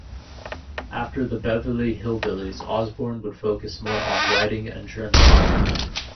After "The Beverly Hillbillies", Osborne would focus more on writing and journalism.